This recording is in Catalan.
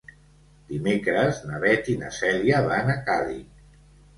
Dimecres na Beth i na Cèlia van a Càlig.